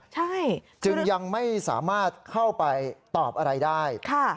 ใช่จึงยังไม่สามารถเข้าไปตอบอะไรได้